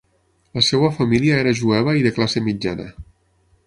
La seva família era jueva i de classe mitjana.